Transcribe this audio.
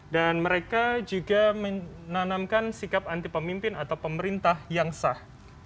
dan mereka juga menanamkan sikap anti pemimpin atau pemerintah yang sah